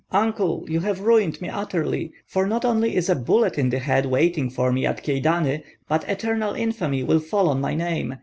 "Uncle, you have ruined me utterly, for not only is a bullet in the head waiting for me at Kyedani, but eternal infamy will fall on my name.